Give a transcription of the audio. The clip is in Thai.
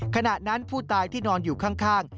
ขณะนั้นผู้ตายที่นอนอยู่ข้าง